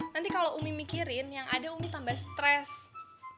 nanti kalo umi mikirin yang ada umi tambah stress